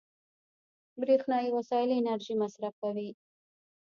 برېښنایي وسایل انرژي مصرفوي.